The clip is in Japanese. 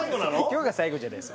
今日が最後なの？